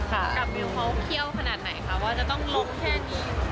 กับวิวเขาเขี้ยวขนาดไหนคะว่าจะต้องลบแค่นี้